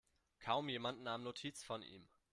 Kaum jemand nahm Notiz von ihm.